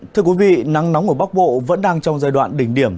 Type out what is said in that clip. thưa quý vị nắng nóng ở bắc bộ vẫn đang trong giai đoạn đỉnh điểm